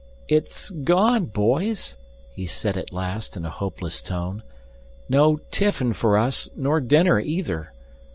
"It's gone, boys," he said at last in a hopeless tone. "No tiffin for us, nor dinner, either.